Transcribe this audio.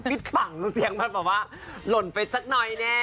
ฟิศปังเสียงมาบอกว่าหล่นไปสักหน่อยแน่